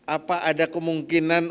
apa ada kemungkinan